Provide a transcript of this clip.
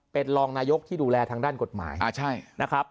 เป็นรองนายกที่ดูแลทางด้านกฎหมายนะครับ